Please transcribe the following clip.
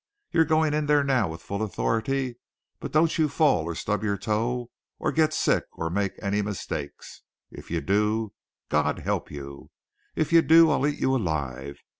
You're going in there now with full authority, but don't you fall or stub your toe or get sick or make any mistakes. If you do, God help you! if you do, I'll eat you alive!